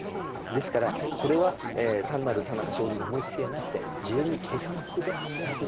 ですからこれは単なる田中正造の思いつきではなくて事前に計算ずくでやってたのかな。